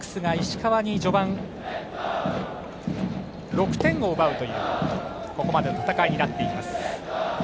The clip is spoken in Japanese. オリックスが石川に序盤６点を奪うというここまでの戦いになっています。